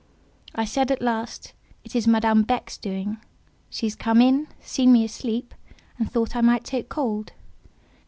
I said at last: "It is Madame Beck's doing; she has come in, seen me asleep, and thought I might take cold.